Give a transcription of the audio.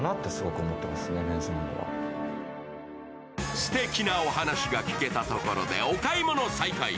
すてきなお話が聞けたところでお買い物再開。